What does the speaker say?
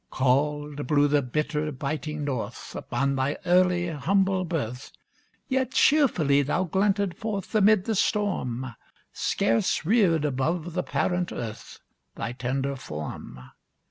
Cauld blew the bitter biting north Upon thy early, humble birth, Yet cheerfully thou glinted forth Amid the storm, Scarce reared above the parent earth Thy tender form.